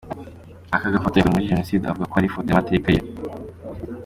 Aka gafoto yafotowe muri Jenoside avuga ko ari ifoto y’amateka ye.